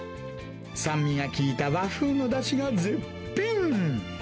酸味が効いた和風のだしが絶品。